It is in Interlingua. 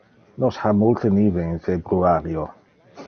Nos ha multe nive in februario.